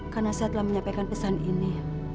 karena saya telah menyampaikan pesan ini